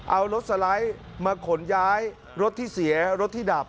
เอารถสไลด์มาขนย้ายรถที่เสียรถที่ดับ